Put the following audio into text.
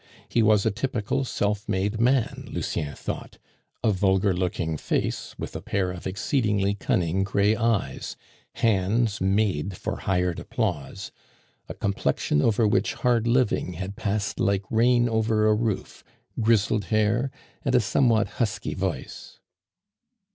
He was a typical self made man, Lucien thought a vulgar looking face with a pair of exceedingly cunning gray eyes, hands made for hired applause, a complexion over which hard living had passed like rain over a roof, grizzled hair, and a somewhat husky voice.